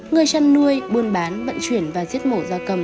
người chăn nuôi buôn bán vận chuyển và giết mổ da cầm